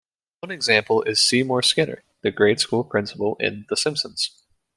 One example is Seymour Skinner, the grade-school principal in "The Simpsons".